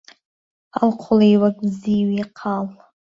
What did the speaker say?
هەڵقوڵی وەک زیوی قاڵ